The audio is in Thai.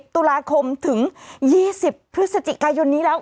ตุลาคมถึง๒๐พฤศจิกายนนี้แล้ว